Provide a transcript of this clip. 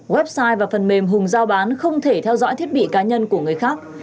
website và phần mềm hùng giao bán không thể theo dõi thiết bị cá nhân của người khác